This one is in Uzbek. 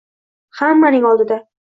Hammaning oldida